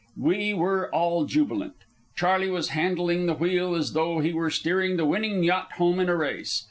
We were all jubilant. Charley was handling the wheel as though he were steering the winning yacht home in a race.